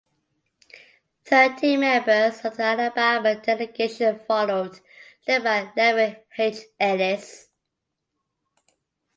Thirteen members of the Alabama delegation followed, led by Leven H. Ellis.